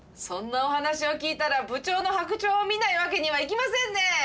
そんなお話を聞いたら部長の「白鳥」を見ないわけにはいきませんね！